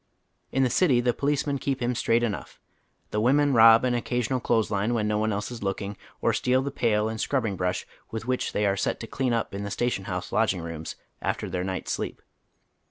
In the city the policemen keep him straiglit enough. The women rob an occasional clothes line when no one is looking, or steal the pail and scrubbing brnsh with which they are set to clean np in the station house lodging rooms after their night's sleep.